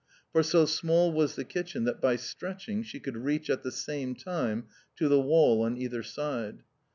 For so small was the kitchen that by stretching she could reach at the same time to the wall on either side.